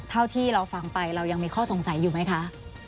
เท่าที่เราฟังไปเรายังมีข้อสงสัยอยู่ไหมคะ